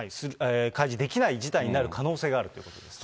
開示できない事態になる可能性があるということですね。